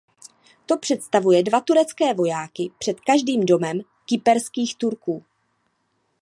To představuje dva turecké vojáky před každým domem kyperských Turků.